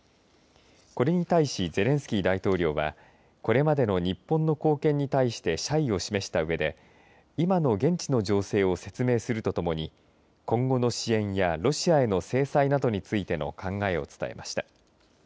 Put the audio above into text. こに対しゼレンスキー大統領はこれまでの日本の貢献に対して謝意を示したうえで今の現地の情勢を説明するとともに今後の支援やロシアへの制裁などについての考えを伝えました。